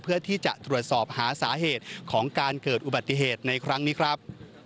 เพื่อที่จะตรวจสอบหาสาเหตุของการเกิดอุบัติเหตุในครั้งนี้ครับ